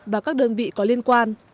và các đơn vị có liên quan